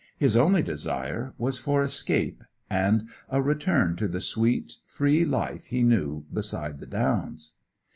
His only desire was for escape, and a return to the sweet, free life he knew beside the Downs.